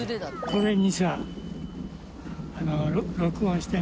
これにさ